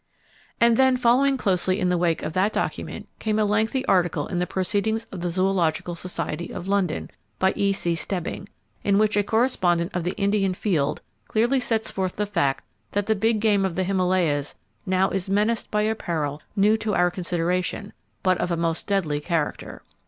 And then following closely in the wake of that document came a lengthy article in the "Proceedings of the Zoological Society of London," by E.C. Stebbing, in which a correspondent of the Indian Field clearly sets forth the fact that the big game of the Himalayas now is menaced by a peril new to our consideration, but of a most deadly character.